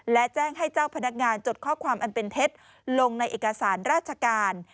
และแจ้งให้เจ้าพนักงานจดข้อความอันเป็นเท็จลงในเอกสารราชการ